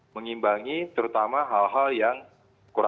mengimbangi terutama hal hal yang terjadi di negara